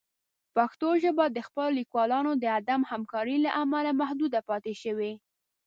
پښتو ژبه د خپلو لیکوالانو د عدم همکارۍ له امله محدود پاتې شوې.